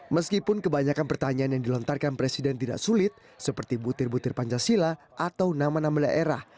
meskipun kebanyakan pertanyaan yang dilontarkan presiden tidak sulit seperti butir butir pancasila atau nama nama daerah